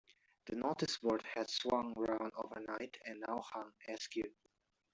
The noticeboard had swung round overnight, and now hung askew.